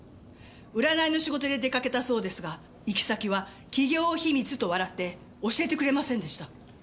占いの仕事で出かけたそうですが行き先は企業秘密と笑って教えてくれませんでした。